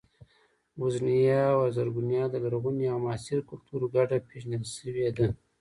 بوسنیا او هرزګوینا د لرغوني او معاصر کلتور ګډه پېژندل شوې ده.